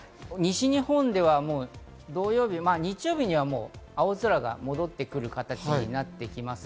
西日本では土曜日、日曜日には青空が戻ってくる形になってきます。